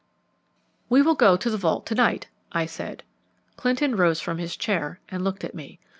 "We will go to the vault to night," I said. Clinton rose from his chair and looked at me.